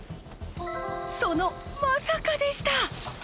そのまさかでした。